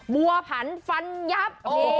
บัวผันฟันยับ